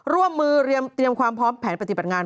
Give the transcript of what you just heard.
ร่วมมือเตรียมความพร้อมแผนปฏิบัติงาน